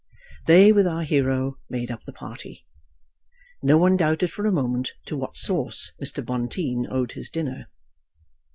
They, with our hero, made up the party. No one doubted for a moment to what source Mr. Bonteen owed his dinner.